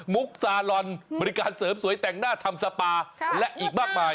ซาลอนบริการเสริมสวยแต่งหน้าทำสปาและอีกมากมาย